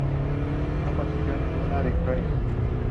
Fitzgerald comentó que "el título era justo, más malo que bueno".